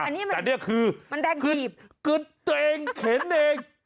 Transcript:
อันนี้มันมันแดงกลีบแต่นี่คือคือตัวเองเข็นเอง